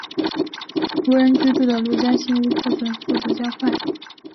无人居住的陆家新屋破损速度加快。